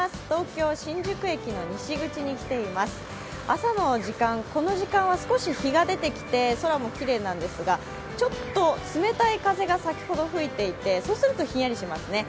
朝の時間、この時間は日が出てきて空もきれいなんですがちょっと冷たい風が先ほど吹いていてそうするとひんやりしますね。